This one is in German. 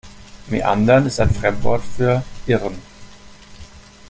Meandern ist ein Fremdwort für "Irren".